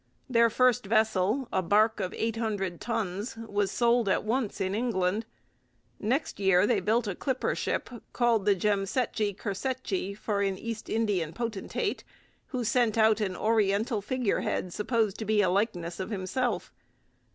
Their first vessel, a barque of eight hundred tons, was sold at once in England. Next year they built a clipper ship called the Jemsetgee Cursetgee for an East Indian potentate, who sent out an Oriental figurehead supposed to be a likeness of himself.